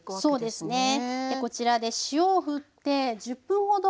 そうですか。